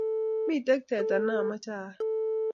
miten teta namache ayal